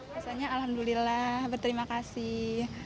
misalnya alhamdulillah berterima kasih